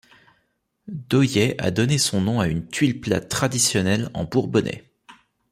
Doyet a donné son nom à une tuile plate traditionnelle en Bourbonnais.